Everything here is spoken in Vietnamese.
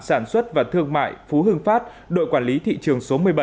sản xuất và thương mại phú hưng phát đội quản lý thị trường số một mươi bảy